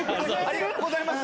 ありがとうございます。